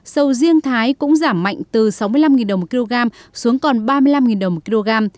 sầu riêng thái cũng giảm mạnh từ sáu mươi năm đồng một kg xuống còn ba mươi năm đồng một kg